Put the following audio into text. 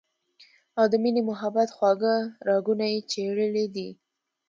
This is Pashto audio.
او د مينې محبت خواږۀ راګونه ئې چېړلي دي